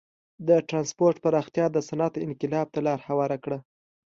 د ټرانسپورت پراختیا د صنعت انقلاب ته لار هواره کړه.